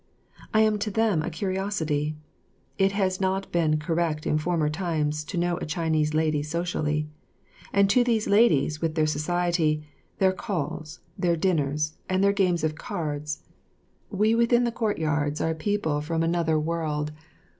I am to them a curiosity. It has not been correct in former times to know a Chinese lady socially; and to these ladies, with their society, their calls, their dinners, and their games of cards, we within the courtyards are people from another world.